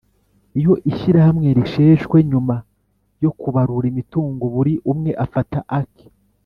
Iyo Ishyirahamwe risheshwe nyuma yo kubarura imitungo buri umwe afata ake